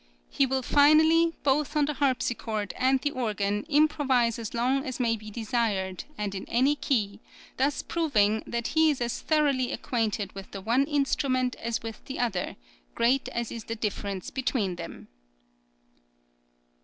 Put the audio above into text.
He will finally, both on the harpsichord and the organ, improvise as long as may be desired and in any key, thus proving that he is as thoroughly acquainted with the one instrument as with the other, great as is the difference between them.